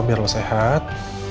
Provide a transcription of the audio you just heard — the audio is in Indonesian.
biar lo sehat